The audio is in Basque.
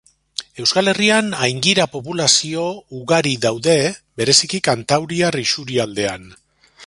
Euskal Herrian aingira populazio ugari daude, bereziki kantauriar isurialdean.